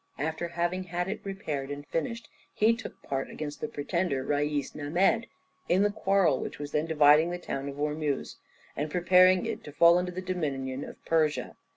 After having had it repaired and finished, he took part against the pretender Rais Named, in the quarrel which was then dividing the town of Ormuz and preparing it to fall under the dominion of Persia.